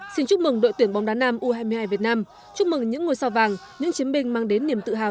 xin chúc mừng đội tuyển bóng đá nam u hai mươi hai việt nam chúc mừng những ngôi sao vàng những chiến binh mang đến niềm tự hào